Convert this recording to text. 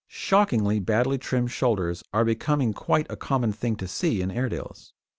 Shockingly badly trimmed shoulders are becoming quite a common thing to see in Airedales.